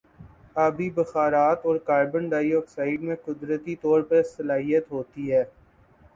آبی بخارات اور کاربن ڈائی آکسائیڈ میں قدرتی طور پر صلاحیت ہوتی ہے